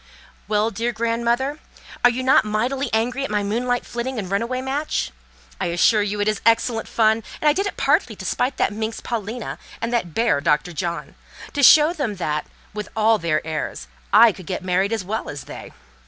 "Well, dear grandmother! and are you not mightily angry at my moonlight flitting and run away match? I assure you it is excellent fun, and I did it partly to spite that minx, Paulina, and that bear, Dr. John: to show them that, with all their airs, I could get married as well as they.